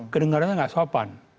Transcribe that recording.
kedengarannya gak sopan